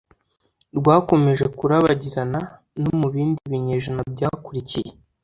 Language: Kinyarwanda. rwakomeje kurabagirana no mu bindi binyejana byakurikiye.